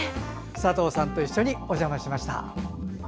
佐藤さんと一緒にお邪魔しました。